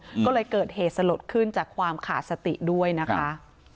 ก็เลยเกิดเหตุสลดขึ้นจากความขาดสติด้วยนะคะ